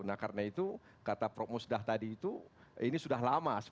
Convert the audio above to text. nah karena itu kata prof musda tadi itu ini sudah lama